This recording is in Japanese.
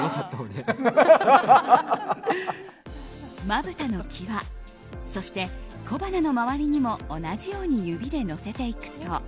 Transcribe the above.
まぶたの際そして、小鼻の周りにも同じように指でのせていくと。